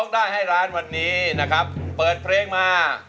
เดินเพลงมา